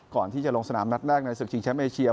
ก่อนที่จะลงสนามนัดแรกในศึกชิงแชมป์เอเชีย